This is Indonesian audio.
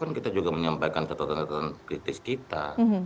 karena kita juga menyampaikan catatan catatan kritis kita